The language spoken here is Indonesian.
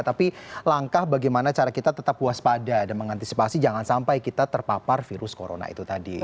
tapi langkah bagaimana cara kita tetap waspada dan mengantisipasi jangan sampai kita terpapar virus corona itu tadi